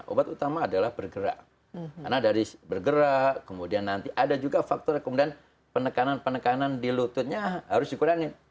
obat utama adalah bergerak karena dari bergerak kemudian nanti ada juga faktor kemudian penekanan penekanan di lututnya harus dikurangi